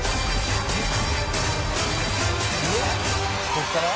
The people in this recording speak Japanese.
「ここから？」